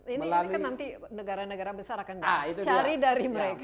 ini kan nanti negara negara besar akan dicari dari mereka